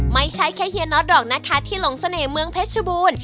ไม่ใช่แค่เฮียน็อตหรอกนะคะที่หลงเสน่ห์เมืองเพชรบูรณ์